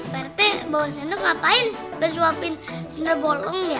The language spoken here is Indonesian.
pak rethe bawa sendok ngapain bersuapin sundul bolong ya